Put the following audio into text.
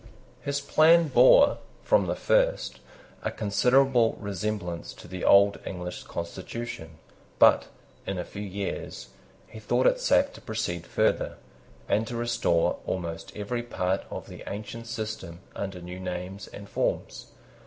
His plan bore, from the first, a considerable resemblance to the old English constitution: but, in a few years, he thought it safe to proceed further, and to restore almost every part of the ancient system under hew names and forms.